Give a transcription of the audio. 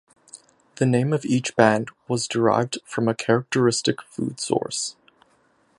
The name of each band was derived from a characteristic food source.